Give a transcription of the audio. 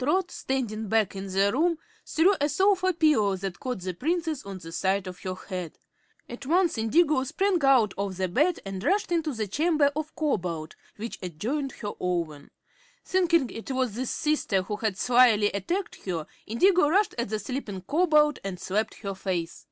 Trot, standing back in the room, threw a sofa pillow that caught the Princess on the side of her head. At once Indigo sprang out of bed and rushed into the chamber of Cobalt, which adjoined her own. Thinking it was this sister who had slyly attacked her, Indigo rushed at the sleeping Cobalt and slapped her face.